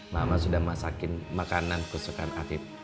mama sudah masakin makanan kesukaan afif